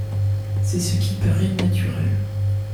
C’est ce qui paraît naturel.